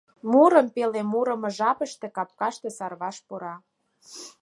Мурым пеле мурымо жапыште капкашке Сарваш пура.